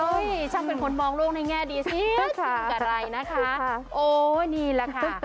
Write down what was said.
โอ้ยช่างเป็นคนมองโลกในแง่ดีซิค่ะกับไรนะคะโอ้นี่แหละค่ะ